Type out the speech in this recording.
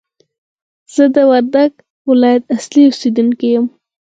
زه د وردګ ولایت اصلي اوسېدونکی یم!